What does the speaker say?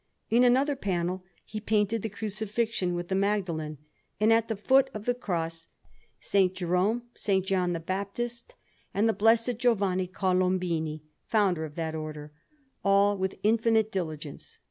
In another panel he painted the Crucifixion, with the Magdalene, and, at the foot of the Cross, S. Jerome, S. John the Baptist, and the Blessed Giovanni Colombini, founder of that Order; all with infinite diligence.